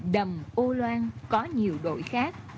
đầm âu loan có nhiều đội khác